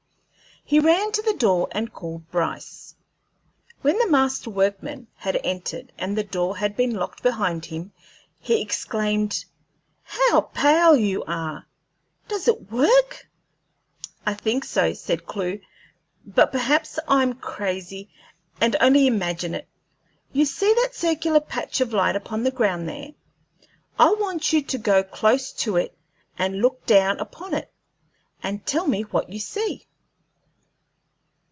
He ran to the door and called Bryce. When the master workman had entered and the door had been locked behind him, he exclaimed, "How pale you are! Does it work?" "I think so," said Clewe; "but perhaps I am crazy and only imagine it. You see that circular patch of light upon the ground there? I want you to go close to it and look down upon it, and tell me what you see."